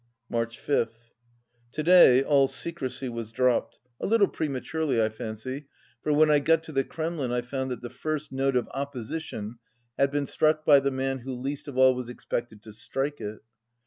March 5 th. To day all secrecy was dropped, a little prema 218 turely, I fancy, for when I got to the Kremlin I found that the first note of opposition had been struck by the man who least of all was expected to strike it.